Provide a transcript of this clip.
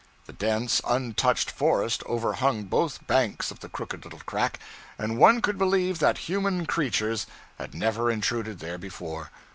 The dense, untouched forest overhung both banks of the crooked little crack, and one could believe that human creatures had never intruded there before.